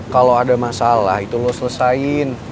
kalau ada masalah itu lo selesaiin